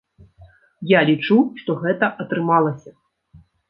Я лічу, што гэта атрымалася.